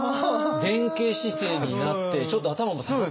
前傾姿勢になってちょっと頭も下がってる。